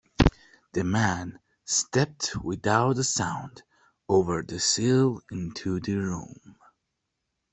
The man stepped without a sound over the sill into the room.